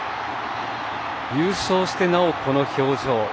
優勝して、なおこの表情。